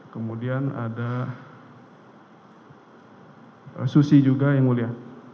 kemudian ada susi juga yang mulia